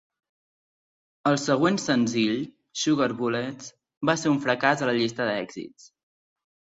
El següent senzill, "Sugar Bullets", va ser un fracàs a la llista d'èxits.